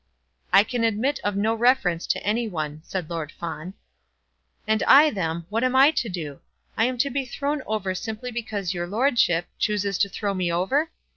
"I can admit of no reference to any one," said Lord Fawn. "And I then, what am I to do? I am to be thrown over simply because your lordship chooses to throw me over?